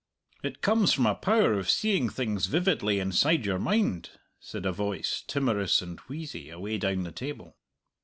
"It comes from a power of seeing things vividly inside your mind," said a voice, timorous and wheezy, away down the table.